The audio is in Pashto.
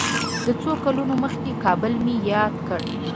د څو کلونو مخکې کابل مې یاد کړ.